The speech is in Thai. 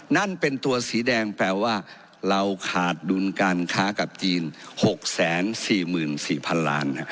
นั่นเป็นตัวสีแดงแปลว่าเราขาดดุลการค้ากับจีน๖๔๔๐๐๐ล้าน